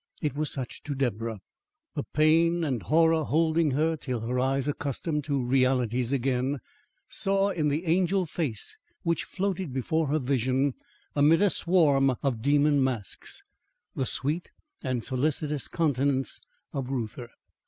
It was such to Deborah; the pain and horror holding her till her eyes, accustomed to realities again, saw in the angel face which floated before her vision amid a swarm of demon masks, the sweet and solicitous countenance of Reuther.